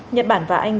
nhật bản và anh